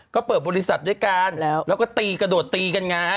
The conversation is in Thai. ก็เปิดบริษัทด้วยกันแล้วก็ตีกระโดดตีกันไง